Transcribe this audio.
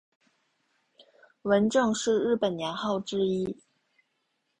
文正是日本年号之一。